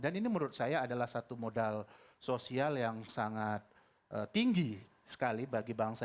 dan ini menurut saya adalah satu modal sosial yang sangat tinggi sekali bagi bangsa